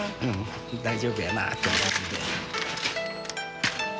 大丈夫やなと思って。